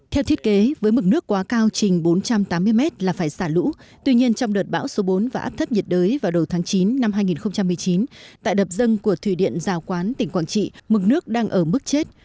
theo thiết kế với mực nước quá cao trình bốn trăm tám mươi mét là phải xả lũ tuy nhiên trong đợt bão số bốn và áp thấp nhiệt đới vào đầu tháng chín năm hai nghìn một mươi chín tại đập dân của thủy điện giao quán tỉnh quảng trị mực nước đang ở mức chết